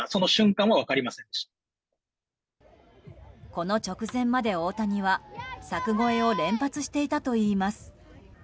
この直前まで大谷は柵越えを連発していたといいます。